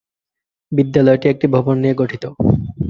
বিদ্যালয়টি একটি ভবন নিয়ে গঠিত।